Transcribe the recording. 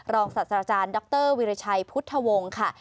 รองศาสตร์อาจารย์ดรวิริชัยพุทธวงศ์